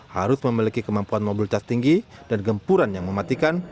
harus memiliki kemampuan mobilitas tinggi dan gempuran yang mematikan